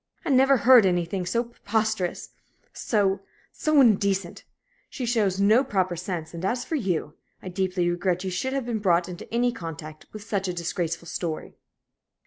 I never heard anything so preposterous so so indecent! She shows no proper sense, and, as for you, I deeply regret you should have been brought into any contact with such a disgraceful story."